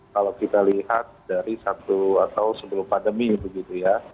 kalau kita lihat dari satu atau sebelum pandemi begitu ya